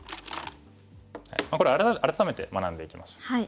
これ改めて学んでいきましょう。